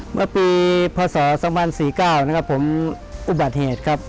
เมื่อปีพศ๔๙ผมอุบัติเหตุครับ